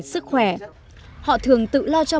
sức khỏe họ thường tự lo cho